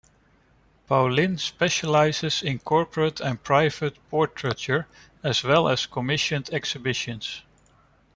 Poulin specializes in corporate and private portraiture as well as commissioned exhibitions.